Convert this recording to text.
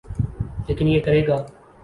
لیکن یہ کرے گا۔